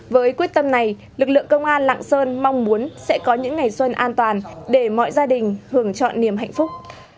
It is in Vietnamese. với quyết tâm này lực lượng công an lạng sơn mong muốn sẽ có những ngày xuân an toàn để mọi gia đình hưởng chọn niềm hạnh phúc